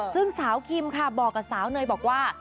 ซึ่งสาวคิมค่ะบอกกับสาวเนยบอกว่า